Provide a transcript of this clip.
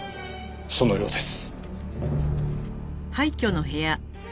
そのようです。